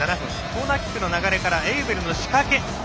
コーナーキックの流れからエウベルの仕掛け。